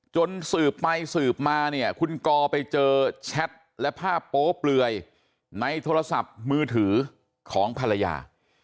สืบไปสืบมาเนี่ยคุณกอไปเจอแชทและภาพโป๊เปลือยในโทรศัพท์มือถือของภรรยา